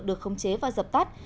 được không chế và dập tắt